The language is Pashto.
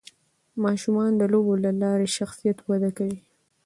ماشومان د لوبو له لارې شخصیت وده کوي.